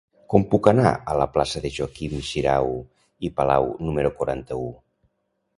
Com puc anar a la plaça de Joaquim Xirau i Palau número quaranta-u?